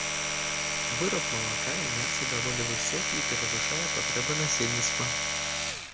Выраб малака і мяса даволі высокі і перавышае патрэбы насельніцтва.